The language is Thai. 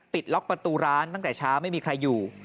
ล็อกประตูร้านตั้งแต่เช้าไม่มีใครอยู่